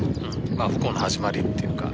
不幸の始まりというか。